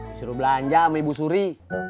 disuruh belanja sama ibu suri